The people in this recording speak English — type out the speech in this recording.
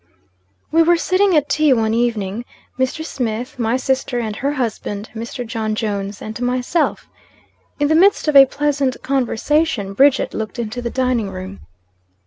WE were sitting at tea one evening Mr. Smith, my sister and her husband, Mr. John Jones, and myself. In the midst of a pleasant conversation, Bridget looked into the dining room.